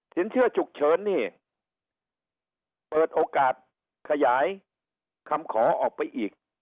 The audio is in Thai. เชื่อฉุกเฉินนี่เปิดโอกาสขยายคำขอออกไปอีก